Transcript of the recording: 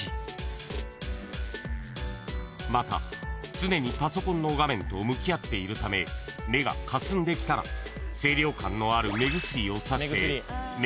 ［また常にパソコンの画面と向き合っているため目がかすんできたら清涼感のある］